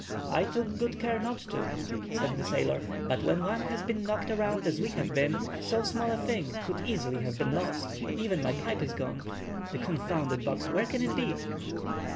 "I took good care not to," said the sailor. "But when one has been knocked around as we have been, so small a thing could easily have been lost; even my pipe is gone. The confounded box; where can it be?"